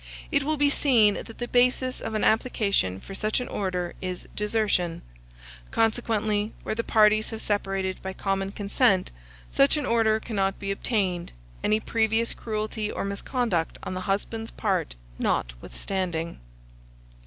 It will be seen that the basis of an application for such an order is desertion. Consequently, where the parties have separated by common consent, such an order cannot be obtained, any previous cruelty or misconduct on the husband's part notwithstanding.